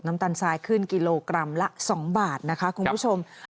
น้ำตาลซายขึ้นกิโลกรัมละ๒บาทนะครับคุณผู้ชม